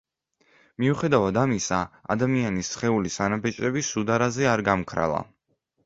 მიუხედავად ამისა, ადამიანის სხეულის ანაბეჭდები სუდარაზე არ გამქრალა.